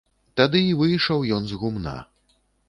Тады і выйшаў ён з гумна.